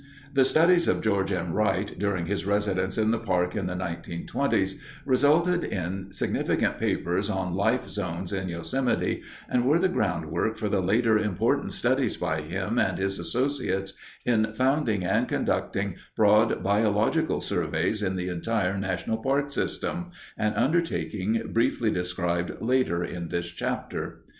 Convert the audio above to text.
The studies of George M. Wright, during his residence in the park in the 1920's, resulted in significant papers on life zones in Yosemite and were the groundwork for the later important studies by him and his associates in founding and conducting broad biological surveys in the entire national park system—an undertaking briefly described later in this chapter.